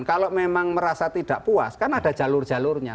kalau memang merasa tidak puas kan ada jalur jalurnya